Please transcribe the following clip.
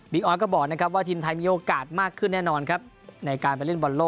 ออสก็บอกนะครับว่าทีมไทยมีโอกาสมากขึ้นแน่นอนครับในการไปเล่นบอลโล